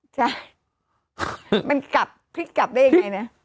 ใช่มันกลับพลิกกลับได้ยังไงนะ